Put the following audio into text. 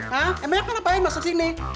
hah emang yang akan apain masuk sini